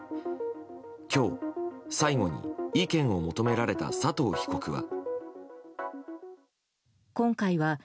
今日、最後に意見を求められた佐藤被告は。